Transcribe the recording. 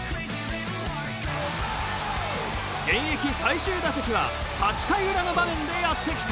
現役最終打席は８回裏の場面でやってきた。